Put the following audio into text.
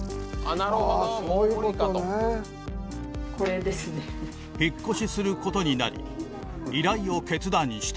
なるほどもう無理かとああそういうことね引越しすることになり依頼を決断した